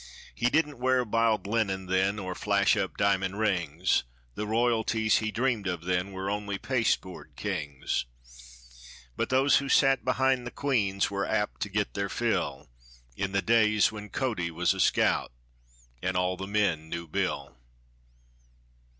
He didn't wear biled linen then, or flash up diamond rings; The royalties he dreamed of then were only pasteboard kings; But those who sat behind the queens were apt to get their fill, In the days when Cody was a scout, and all the men knew Bill.